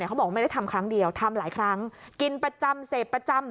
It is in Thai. เขาบอกไม่ได้ทำครั้งเดียวทำหลายครั้งกินประจำเสพประจำ